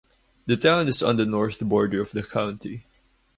The town is on the north border of the county.